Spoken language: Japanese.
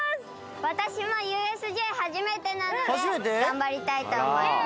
私もＵＳＪ初めてなので頑張りたいと思います